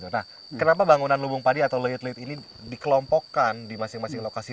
nah kenapa bangunan lubung padi atau leit leit ini dikelompokkan di masing masing lokasi